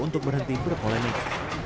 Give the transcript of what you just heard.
untuk berhenti berkolemen